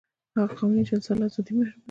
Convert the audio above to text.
هغه قوانین چې انسان له ازادۍ محروموي.